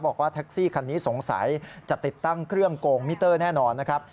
บอกว่าแท็กซี่คันนี้สงสัยจะติดตั้งเครื่องโกงมิเตอร์แน่นอนนะครับ